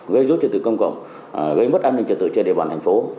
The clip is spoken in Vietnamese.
gây dối trật tự công cộng gây mất an ninh trật tự trên địa bàn thành phố